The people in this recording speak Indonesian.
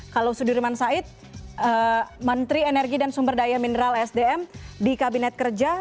kalau sudirman said menteri energi dan sumber daya mineral sdm di kabinet kerja